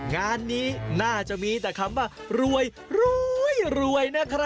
งานนี้น่าจะมีแต่คำว่ารวยรวยนะครับ